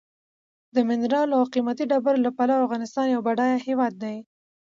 د منرالو او قیمتي ډبرو له پلوه افغانستان یو بډایه هېواد دی.